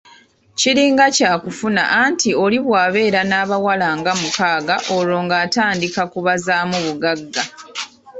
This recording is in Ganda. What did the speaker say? Kiringa kyakufuna anti oli bw’abeera n’abawala nga mukaaga olwo ng’atandika kubazaamu bugagga.